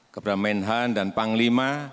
kepada menhan dan panglima